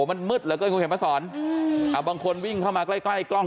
มันมึดเลยก็ยังไม่เห็นพระสรบางคนวิ่งเข้ามาใกล้กล้อง